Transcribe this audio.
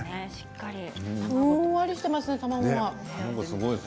ふんわりしてますね、卵が。